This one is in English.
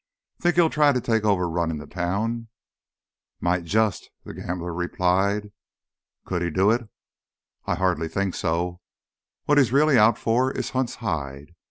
That he'll try to take over runnin' the town?" "Might just," the gambler replied. "Could he do it?" "I hardly think so. What he's really out for is Hunt's hide.